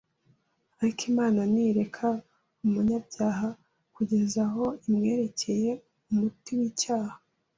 Ariko Imana ntireka umunyabyaha kugeza aho imwerekeye umuti w’icyaha.